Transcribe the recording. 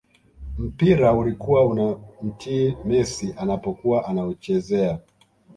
mpira ulikuwa unamtii messi anapokuwa anauchezea